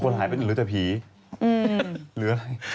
หายไปเหลือแต่ผีหรืออะไร